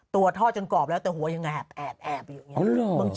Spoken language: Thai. ทอดจนกรอบแล้วแต่หัวยังแอบอยู่อย่างนี้